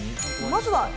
まずは。